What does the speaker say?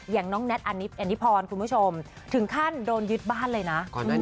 อย่างน้องแน็ตอันนี้พรคุณผู้ชมถึงขั้นโดนยึดบ้านเลยนะ